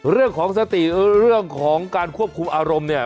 เรื่องของสติเรื่องของการควบคุมอารมณ์เนี่ย